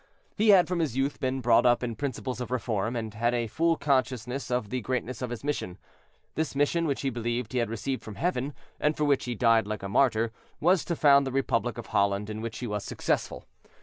He had from his youth been brought up in principles of reform, and had a full consciousness of the greatness of his mission. This mission, which he believed he had received from Heaven, and for which he died like a martyr, was to found the Republic of Holland, in which he was successful.